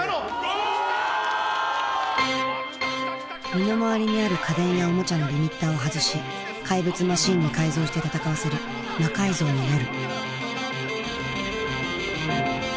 身の回りにある家電やおもちゃのリミッターを外し怪物マシンに改造して戦わせる「魔改造の夜」。